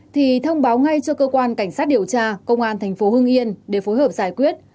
thì thông báo ngay cho cơ quan cảnh sát điều tra công an tp hương yên